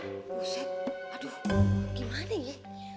aduh gimana ya